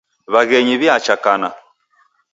Waghenyi wiacha kana.